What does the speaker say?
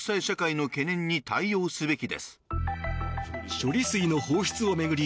処理水の放出を巡り